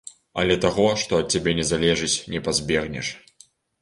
Але таго, што ад цябе не залежыць, не пазбегнеш.